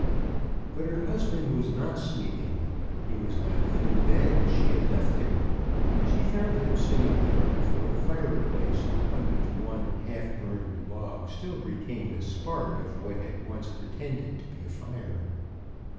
But her husband was not sleeping. He was not even in bed, as she had left him. She found 32 CHRISTMAS AT THOMPSON HALL. him sitting there before the fireplace,' on which one half burned log still retained a spark of what had once pretended to be a fire.